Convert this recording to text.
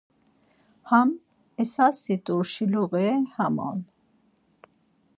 Ham esasi t̆urşiluği ham on.